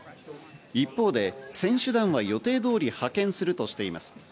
一方で選手団は予定通り派遣するとしています。